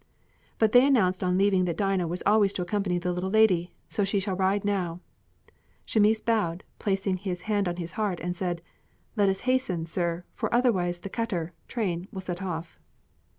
"But they announced on leaving that Dinah was always to accompany the little lady. So she shall ride now." Chamis bowed, placing his hand on his heart and said: "Let us hasten, sir, for otherwise the katr (train) will set off."